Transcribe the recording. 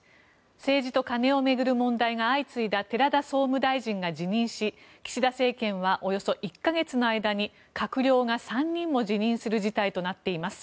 政治と金を巡る問題が相次いだ寺田総務大臣が辞任し岸田政権はおよそ１か月の間に閣僚が３人も辞任する事態となっています。